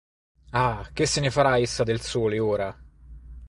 Ah, che se ne farà essa del sole, ora?